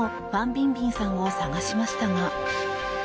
・ビンビンさんを捜しましたが。